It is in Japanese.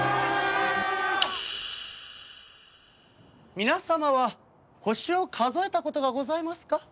皆様は星を数えた事がございますか？